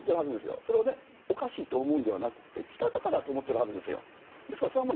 それをおかしいと思うのではなくしたたかだと思ってるはずです。